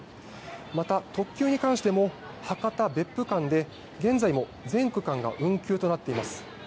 また、特急に関しても博多別府間で現在も全区間が運休となっています。